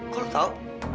kok lu tau